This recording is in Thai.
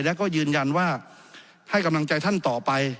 และก็ยืนยันว่าให้กำลังใจท่านต่อไป